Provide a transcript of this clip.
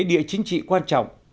địa chính trị quan trọng